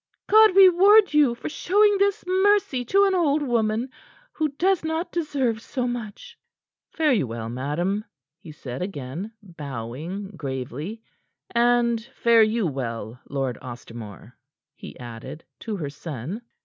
"God reward you for showing this mercy to an old woman who does not deserve so much." "Fare you well, madam," he said again, bowing gravely. "And fare you well, Lord Ostermore," he added to her son.